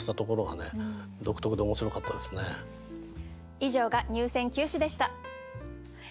以上が入選九首でした。